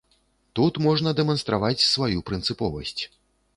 Тут можна дэманстраваць сваю прынцыповасць.